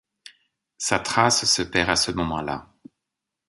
Sa trace se perd à ce moment-là.